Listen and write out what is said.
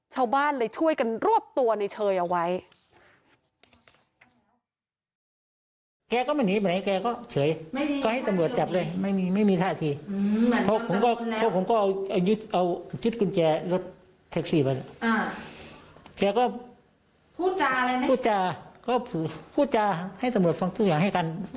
ชาวบ้านเลยช่วยกันรวบตัวในเชยเอาไว้